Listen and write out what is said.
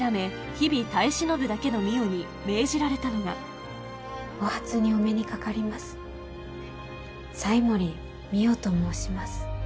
日々耐え忍ぶだけの美世に命じられたのがお初にお目にかかります斎森美世と申します